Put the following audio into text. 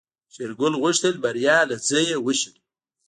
شېرګل غوښتل ماريا له ځايه وشړي.